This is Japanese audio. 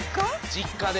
実家で。